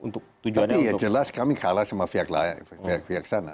tapi ya jelas kami kalah sama pihak pihak sana